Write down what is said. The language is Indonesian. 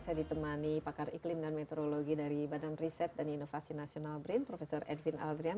saya ditemani pakar iklim dan meteorologi dari badan riset dan inovasi nasional brin prof edwin aldrian